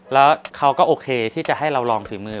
แล้วเขาก็โอเคที่จะให้เราลองถือมือ